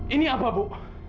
ini apa bu